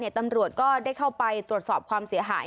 ตำรวจก็ได้เข้าไปตรวจสอบความเสียหาย